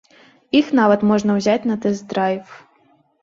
Іх нават можна ўзяць на тэст-драйв.